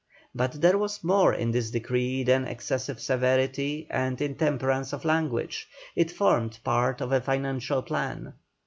But there was more in this decree than excessive severity and intemperance of language, it formed part of a financial plan.